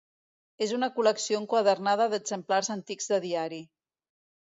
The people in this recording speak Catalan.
És una col·lecció enquadernada d'exemplars antics de diari.